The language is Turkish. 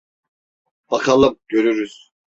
Bakalım görürüz…